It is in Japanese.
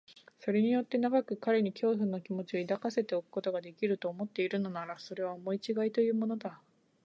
それによって長く彼に恐怖の気持を抱かせておくことができる、と思っているのなら、それは思いちがいというものだ。